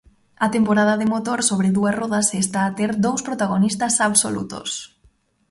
A temporada de motor sobre dúas rodas está a ter dous protagonistas absolutos.